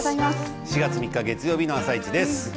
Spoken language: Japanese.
４月３日月曜日の「あさイチ」です。